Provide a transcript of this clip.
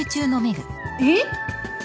えっ？